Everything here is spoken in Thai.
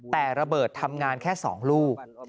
แต่ระเบิดทำงานแค่๒ลูก